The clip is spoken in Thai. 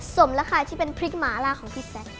สมแล้วค่ะที่เป็นพริกหมาล่าของพี่แจ๊ค